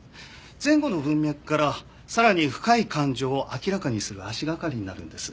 前後の文脈からさらに深い感情を明らかにする足掛かりになるんです。